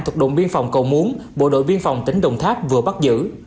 thực động biên phòng cầu muốn bộ đội biên phòng tỉnh đồng tháp vừa bắt giữ